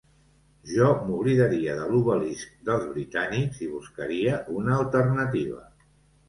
Jo m'oblidaria de l'obelisc dels britànics i buscaria una alternativa.